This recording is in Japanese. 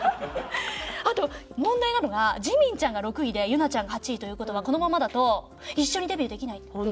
あと問題なのがジミンちゃんが６位でユナちゃんが８位という事はこのままだと一緒にデビューできない。